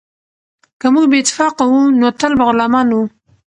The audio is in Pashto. که موږ بې اتفاقه وو نو تل به غلامان وو.